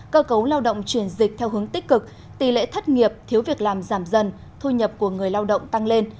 cơ cấu lao động chuyển dịch theo hướng tích cực tỷ lệ thất nghiệp thiếu việc làm giảm dần thu nhập của người lao động tăng lên